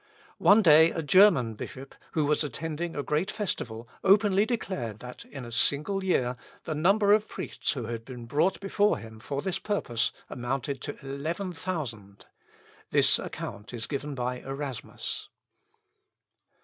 One day, a German bishop, who was attending a great festival, openly declared that in a single year, the number of priests who had been brought before him for this purpose amounted to eleven thousand. This account is given by Erasmus.